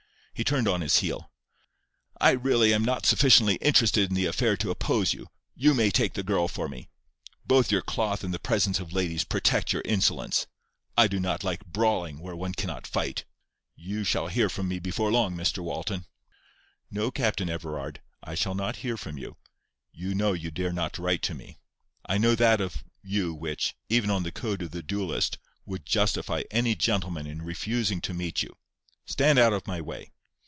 He turned on his heel. "I really am not sufficiently interested in the affair to oppose you. You may take the girl for me. Both your cloth and the presence of ladies protect your insolence. I do not like brawling where one cannot fight. You shall hear from me before long, Mr Walton." "No, Captain Everard, I shall not hear from you. You know you dare not write to me. I know that of you which, even on the code of the duellist, would justify any gentleman in refusing to meet you. Stand out of my way!"